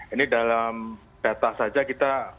ini dalam data saja kita